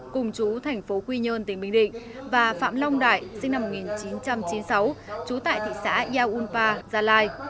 cùng chú tp quy nhơn tp bình định và phạm long đại sinh năm một nghìn chín trăm chín mươi sáu chú tại thị xã giao unpa gia lai